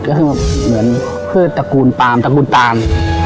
ก็คือเหมือนพืชตระกูลปามตระกูลปาน